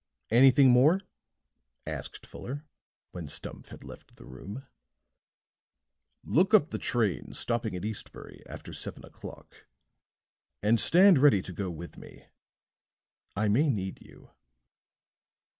"Anything more?" asked Fuller, when Stumph had left the room. "Look up the trains stopping at Eastbury after seven o'clock. And stand ready to go with me. I may need you."